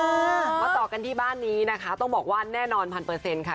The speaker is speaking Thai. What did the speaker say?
มาต่อกันที่บ้านนี้นะคะต้องบอกว่าแน่นอนพันเปอร์เซ็นต์ค่ะ